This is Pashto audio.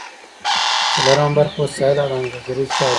څلورمه برخه وسایل او د اندازه ګیری چارې دي.